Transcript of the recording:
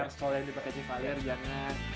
stol yang dipakai chevalier jangan